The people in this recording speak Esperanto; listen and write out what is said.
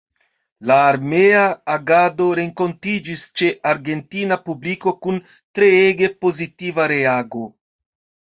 La armea agado renkontiĝis ĉe argentina publiko kun treege pozitiva reago.